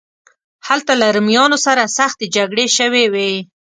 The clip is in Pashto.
هلته له رومیانو سره سختې جګړې شوې وې.